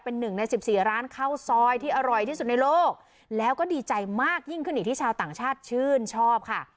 เป็นหนึ่งในสิบสี่ร้านข้าวซอยที่อร่อยที่สุดในโลกแล้วก็ดีใจมากยิ่งขึ้นอีกที่ชาวต่างชาติชื่นชอบค่ะ